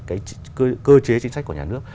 cái cơ chế chính sách của nhà nước